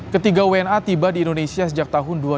ketiga wna tiba di indonesia sejak tahun dua ribu